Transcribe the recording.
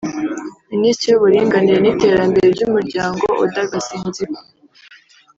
Minisitiri w’Uburinganire n’Iterambere ry’Umuryango Oda Gasinzigwa